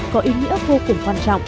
có ý nghĩa vô cùng quan trọng